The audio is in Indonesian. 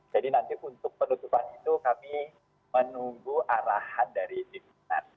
nanti untuk penutupan itu kami menunggu arahan dari pimpinan